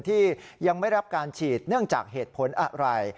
ที่ยังไม่รับการฉีดเนื่องจากเหตุผลอะไร